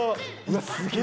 すげえ。